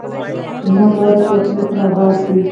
زما دعا ده چې وطن مې تل اباد